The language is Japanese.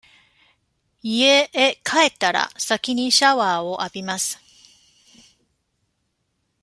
家へ帰ったら、先にシャワーを浴びます。